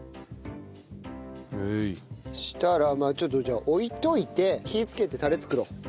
そしたらまあちょっとじゃあ置いておいて火つけてタレ作ろう。